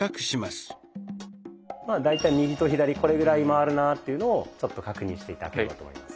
まあ大体右と左これぐらい回るなぁっていうのをちょっと確認して頂ければと思います。